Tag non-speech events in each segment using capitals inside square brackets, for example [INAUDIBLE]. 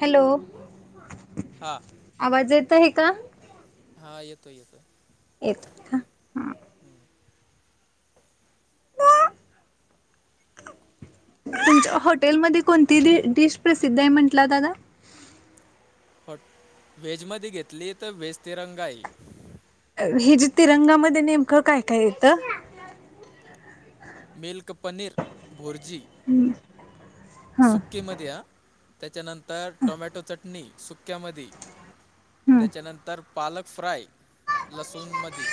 Hello हां आवाज येत आहे का? हा येतोय येतोय. येत. का तुमच्या हॉटेलमध्ये कोणती डिश प्रसिद्ध आहे म्हंटला दादा. हॉट व्हेजमध्ये घेतली तर व्हेज तिरंगा ही. हे जे तिरंगामध्ये नेमकं काय काय येत? मिल्क पनीर भूर्जी. हम्म. सुक्कीमध्ये हा त्याच्यानंतर टोमॅटो चटणी सुक्यामध्ये. हम्म त्याच्यानंतर पालक फ्राय लसूणमधी.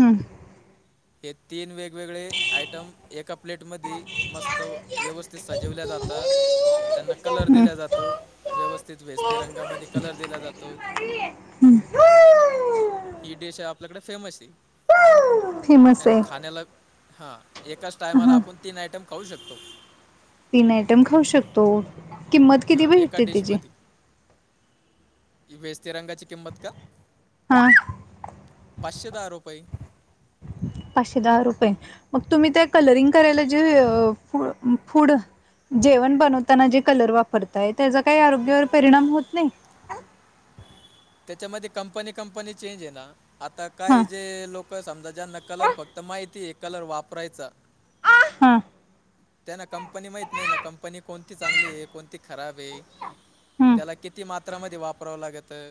हम्म. [INAUDIBLE] हे तीन वेगवेगळे आयटम एका प्लेट मधी मस्त व्यवस्थित सा ठेवल्या जाता. त्यांना कलर हम्म दिला जातो व्यवस्थित व्हेज तिरंगामध्ये कलर दिला जातो. हम्म. ही डिश आपल्याकडे फेमस आहे. फेमस अन आहे खाण्याला हा एकाच टायमाला हा आपण तीन आयटम खाऊ शकतो. तीन आयटम खाऊ शकतो किंमत किती हां एका भेटते तीजी? डिशमध्ये व्हेज तीरंगाची किंमत का हां. पाचशे दहा रुपये. पाचशे दहा रुपये मग, तुम्ही ते हं. कलरिंग करायला जे फूड जेवण बनवताना जे कलर वापरत ताही त्याजा काही आरोग्यावर परिणाम होत नाही. त्याच्यामध्ये कंपनी-कंपनी चेंज आहे ना आता हां काही जे लोकं समजा ज्यांना कलर फक्त माहिती आहे कलर वापरायचा. हा. त्यांना कंपनी माहित नाही ना, कंपनी कोणती चांगली आहे कोणती खराब ये. हं त्याला किती मात्रामध्ये वापरावं लागतं?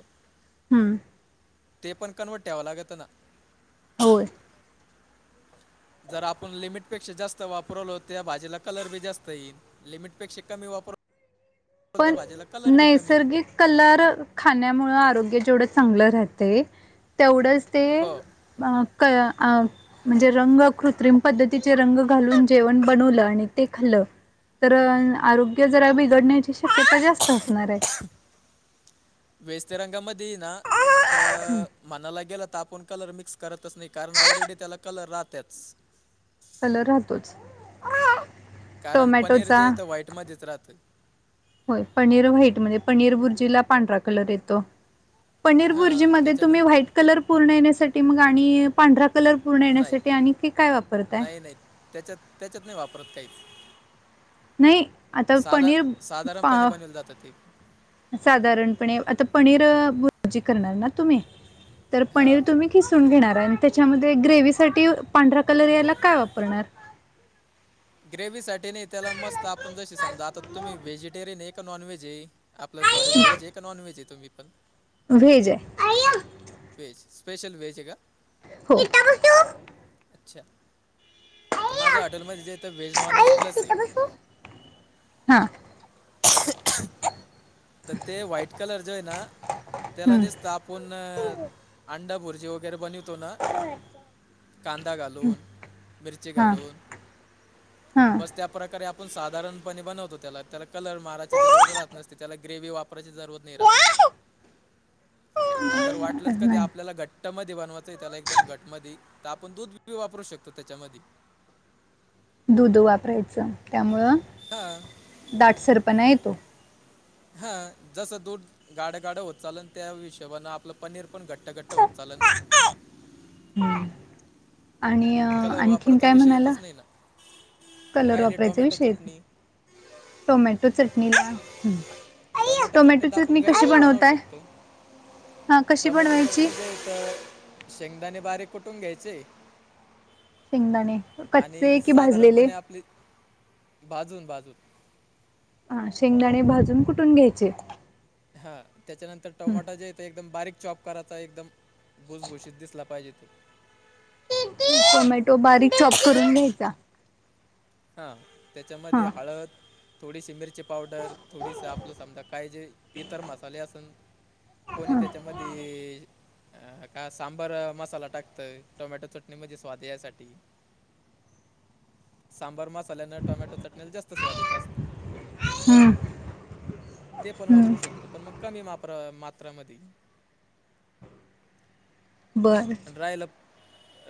हम्म. ते पण, कनव्हट ठेवा लागतं ना. होय. जर आपण लिमिटपेक्षा जास्त वापरवलं त्या भाजीला कलर बी जास्त येईल. लिमिटपेक्षा कमी वापरो. पण कमी नैसर्गिक कलर खाण्यामुळे आरोग्य जेवढं चांगलं राहते तेवढंच ते हो बाक्काया आम म्हणजे रंग कृत्रिम पद्धतीचे रंग घालून जेवण बनवलं आणि ते खाल्लं तर आरोग्य जरा बिघडण्याची शक्यता जास् व्हेज तीरंगामध्ये ना तर म्हणाला गेलं तर आपण कलर मिक्स करतच नाही कारण ऑलरेडी त्याला कलर राहत्याच. कलर राहतोच. कारण पनीर टोमॅटोचा जे इथं व्हाईटमध्येच राहतय. होय पनीर व्हाईटमध्ये पनीर भुर्जीला पांढरा कलर येतो. पनीर भुर्जी हां मध्ये तुम्ही त्याच्यानंतर व्हाईट कलर पूर्ण येण्यासाठी मग आणि पांढरा कलर पूर्ण नाही येण्यासाठी आणखी काय वापरताय? नाही नाही त्याच्यात त्याच्यात नाही वापरत काहीच. नाही आता पनीर साधा-साधारणपणे पा बनवले जाते ते. साधारणपणे आता पनीर भुर्जी करणार ना तुम्ही. तर हां पनीर तुम्ही खिसून घेणार आणि त्याच्यामध्ये ग्रेव्हीसाठी पांढरा कलर यायला काय वापरणार? ग्रेवहीसाठी नाही त्याला मस्त आपण जशी समजा आता तुम्ही व्हेजिटेरियन आहे का नॉन व्हेज आहे? आपलं सॉरी व्हेज आहे का नॉन व्हेज आहे तुम्ही पण? व्हेज आहे. वेज स्पेशल व्हेज आहे का? गीता बोलतो. अच्छा आता माझ्या हॉटेल मध्ये जे तर व्हेज, नॉन व्हेज प्लस आहे. हां. तर ते व्हाईट कलर जे आहे ना त्याला हं निसता आप कोन अंडा भुर्जी वगैरे बनवितो ना. कांदा घालून, मिरची हां घालून हां बस त्या प्रकारे आपण साधारणपणे बनवतो त्याला त्याला कलर माराची जरूरत राहत नसते. त्याला ग्रेव्ही वापरायची जरूरत नाही राहतं. आणि जर वाटलंच कधी नाही आपल्याला घट्ट मध्ये बनवायचं त्याला एकदम घट मधी तर आपण दूध वापरू शकतो त्याच्यामध्ये. दुध वापरायचं त्यामुळं हां दाटसरपणा येतो. हा जसं दूध गाडं गाडं होत चालन त्या विशेबाने आपलं पनीर पण घट्ट घट्ट होत चालन ना. हम्म आणिय कलर आणखीन वापराचा काय विषय म्हणाला? येतच नाही ना कलर राहिली वापरायचा टोमॅटो विषय चटणी टोमॅटो चटणीला टोमॅटो चटणी तर आपण घरी पण बनवू शकतो हा कशी टमॅटो बनवायची चटणी जे तर शेंगदाणे बारीक कुटून घ्यायचे. शेंगदाणे आणि कच्चे की भाजलेले साधारणपणे आपली भाजून-भाजून आं शेंगदाणे भाजून कुटून घ्यायचे. हा त्याच्यानंतर टमाटा जे ते एकदम बारीक चॉप कराचा एकदम भुजबूशीत दिसला पाहिजे तो. टोमॅटो बारीक चॉप करून घ्यायचा. हा त्याच्यामध्ये हा हळद, थोडीशी मिरची पावडर थोडीसा आपलं समजा काय जे इतर मसाले असन कोणी त्याच्यामध्ये अ का सांबर मसाला टाकतंय टोमॅटो चटणी मधी स्वाद यासाठी. सांबर मसाल्याने टोमॅटो चटणीला जास्त स्वाद येत असतो. हम्म, ते पण हम्म. वापरू शकतो पण मग कमी मात्रा मात्रामध्ये ह बरं ड्रायलप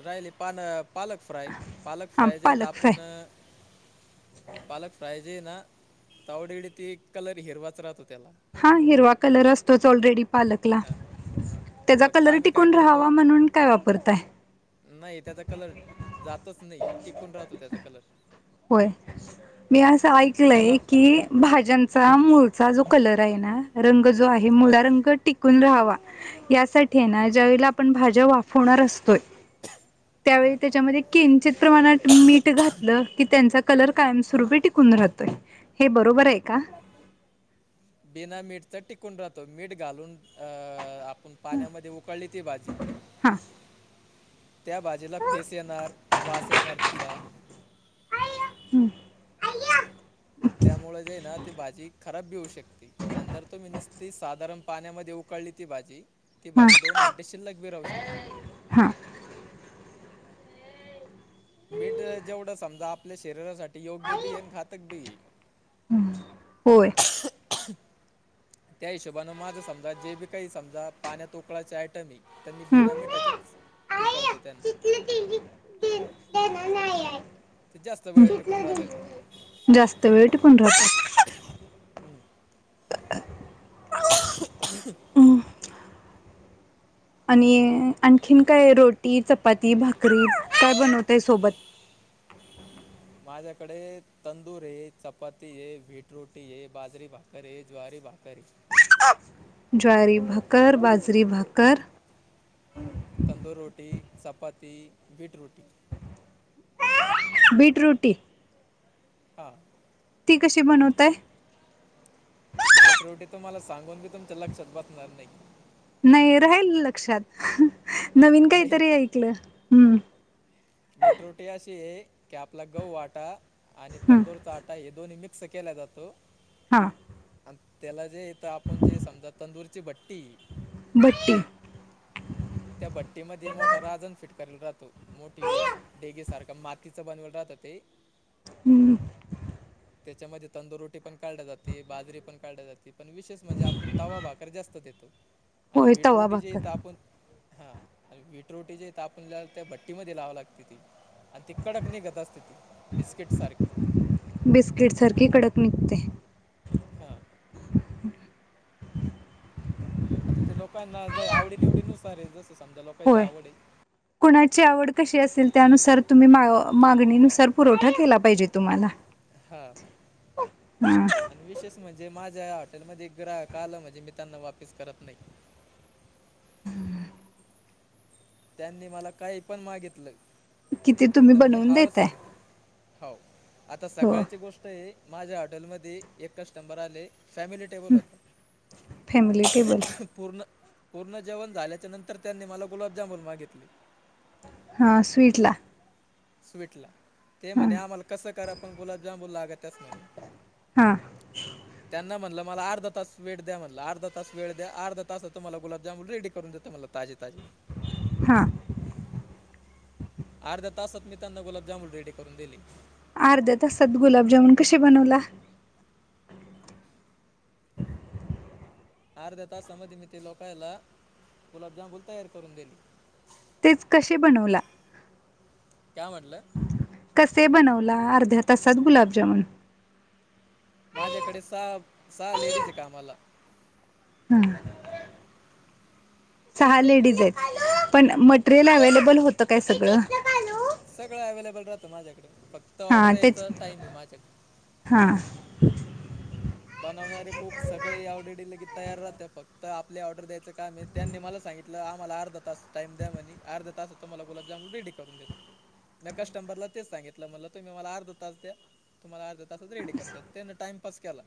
रायली पानं पालक फ्राय पालक हां फ्राय ज्यात पालक आप फ्राय अ पालक फ्राय जे ना ऑलरेडी ते कलर हिरवाच राहतो त्याला. हा हिरवा कलर असतोच ऑलरेडी पालकला. हां त्याचा फक्त कलर आम्ही काय टिकून राहावा करतो म्हणून काय वापरताय? नाही त्याचा कलर जातच नाही टिकून राहतो त्याचा कलर. होय मी असं ऐकलंय त्याला की भाज्यांचा मुळचा जो कलर आहे ना रंग जो आहे हां मुळा रंग टिक कुण राहावा यासाठी ना ज्यावेळेला आपण भाज्या वाफवणार असतोय त्यावेळी हां त्याच्यामध्ये किंचित प्रमाणात मीठ घातलं. की त्यांचा कलर कायमस्वरूपी टिकून राहतोय हे बरोबर आहे का? बिना मीठचा टिकून राहतो मीठ घालून अ आपण पाण्यामध्ये उकाळली ती भाजी. हा त्या भाजीला फेस येणार वास येणार तिचा. हम्म. त्यामुळे जे ना ती भाजी खराब बी होऊ शकती. आणी जर तुम्ही निसती साधारण पाण्यामध्ये उकळली ती भाजी ती हा भाजी दोन घंटे शिल्लक भी राहू शकते. हा मीठ जेवढं समजा आपल्या शरीरासाठी योग्य बी घातक बी आहे. होय. ह त्या हिशोबनें माझं समजा जे बी काई समजा पाण्यात उकळायच्या आयटम आहे. तर मी बिना मिठाचच उकाळतो त्यांना. ते जास्त वेळ टिकून राहत्या ते. जास्त वेळ टिकून राहतं. [UNINTELLIGIBLE] ह आणि आणखीन काय रोटी, चपाती, भाकरी काय बनवताय सोबत? माझ्याकडे तंदूर आहे, चपाती आहे, वीट रोटी आहे बाजरी भाकर आहे, ज्वारी भाकर आहे. ज्वारी भाकर, बाजरी भाकर तंदूर रोटी, चपाती, बीट रोटी. बीट रोटी हां. ती कशी बनवताय? बीट रोटी तुम्हाला सांगून बी तुमच्या लक्षात बसणार नाही. नाही राहील लक्षात नवीन राहील काहीतरी ऐकलं हम्म. विट रुटी अशी आहे की आपला गह वाटा आणि हम्म. तंदुर ताट. त हे दोन्ही मिक्स केल्या जातो. हा. आणि त्याला जे इथ आपण जे समजा तंदूरची भट्टी. भट्टी. त्या भट्टी मध्ये मोठा राजन फिट करायला राहतो मोठी डेगेसारखा माती. तिचं बनवल राहतं ते. हम्म. [INAUDIBLE] त्याच्यामध्ये तंदुरोटी पण काढल्या जाते, बाजरी पण काढल्या जाते पण विशेष म्हणजे आपण तवा भाकर जास्त देतो. आणि होय वीट तवा रोटीची इथ भाकर आपण. हा आणि वीट रोटी जे तापण त्या भट्टी म लावं लागते ती. आणि ती कडक निघत असत ते बिस्किट सारख. बिस्किट सारखी कडक निघते. हा. आता ते लोकांना आवडी निवडी नुसारे जस समजा लोकांची होय आवड हे. कुणाची आवड कशी असेल, त्यानुसार तुम्ही मागणीनुसार पुरवठा केला पाहिजे. तुम्हाना? हा. आणि विशेष म्हणजे माझ्या या हॉटेल मध्ये एक ग्राहक आला म्हणजे मी त्यांना वापस करत नाही. त्यांनी मला काही पण मागितलं, किती तुम्ही तर मी बनवून हवच देताय सांगतो. हो, आता हो सकाळची गोष्ट आहे, माझ्या हॉटेलमध्ये एक कस्टबर आले फॅमिली टेबल होता. फॅमिली टेबल पूर्ण, पूर्ण जेवण झाल्याच्यानंतर त्यांनी मला गुलाबजामून मागितले. हा स्वीटला. स्वीटला ते हां म्हणे आम्हाला कसं करा पण गुलाबजामून लागतच न्हाय. हां [INAUDIBLE] त्यांना म्हणटलं मला अर्ध तास वेळ द्या म्हणलं अर्ध तास वेळ द्या अर्ध्या तासात तुम्हाला गुलाब जामून रेडी करून देतो म्हणलं ताजे. ताजी. हा. अर्ध्या तासात मी त्यांना गुलाबजामुन रेडी करून दिली. अर्ध्या तासात गुलाबजामून कशे बनवला? अर्ध्या तासामध्ये मी ते लोकांला गुलाबजांबूल तयार करून दिली. तेच कसे बनवला? काय म्हणलं? कसही बनवला अर्ध्या तासात गुलाबजामन. माझ्याकडे सहा सहा लेडीज आहे कामाला. हम्म. सहा लेडीज आहेत, पण मटेरियल अव्लेबल होतं काय सगळं? सगळं अव्हेलेबल राहतं माझ्याकडे फ हा तेचत हा. बनवणारे खूप सगळे ऑर्डर दिले की तयार राहते, फक्त आपले ऑर्डर द्यायचं काम आहे. त्यांनी मला सांगितलं आम्हाला अर्ध तास टाइम द्या म्हणे, अर्ध्या तासात तुम्हाला गुलाब जामुन रेडी करून देतो. म्या कस्टमरला तेच सांगितलं, म्हटलं तुम्ही मला अर्ध तास द्या. तुम्हाला अर्ध तासात रेडी करून देत, त्यांन टाइमपास केला.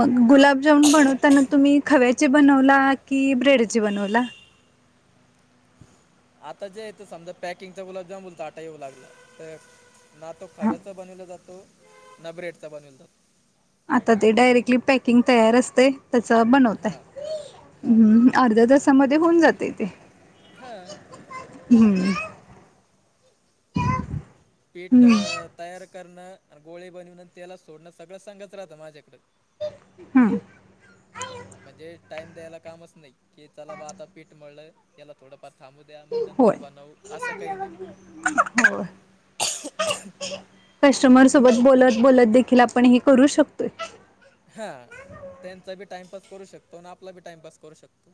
मग गुलाबजामन बनवताना तुम्ही खव्याचे बनवला की ब्रेडचे बनवला? आता जे आहे ते समजा पॅकिंगचा गुलाब जामून आटा येऊ लागला तर. ना तो हां खाव्याचा बनवला जातो ना ब्रेडचा बनवला जातो. आता ते डायरेक्टली पॅकिंग तयार असतंय त्याच बनवताय. हां हां अर्ध्या तासामध्ये होऊन जातय ते. हा. हम्म हम्म. पीठ तयार करणं आणि गोळे बनिवन तेलात सोडणं सगळं संगच राहतं माझ्याकडं. हां. म्हणजे टाइम द्यायला कामच नाही की चला बा आता पीठ मळलय. याला थोडंफार थांबू द्या. मग नंतर होय बनवू असं काही नाही. होय. कस्टमर सोबत बोलत बोलत देखील आपण हे करू शकतोय. हा त्यांचा बी टाइमपास करू शकतो आणि आपला बी टाइमपास करू शकतो.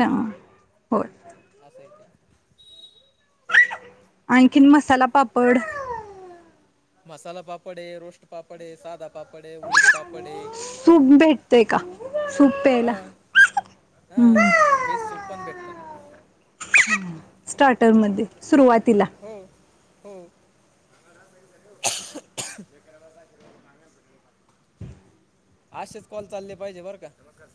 हा. असंय ते. आणखीन मसाला पापड मसाला पापडे आहे, रोस्ट पापडे आहे, सादा पापड आहे उडीद पापडे आहे. सूप भेटतय का सूप प्यायला आं व्हेज सूप पण भेटता ना. स्टार्टरमध्ये सुरुवातीला. हो हो. असेच कॉल चालले पाहिजे बरं का?